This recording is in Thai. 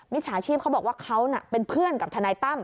ฉาชีพเขาบอกว่าเขาเป็นเพื่อนกับทนายตั้ม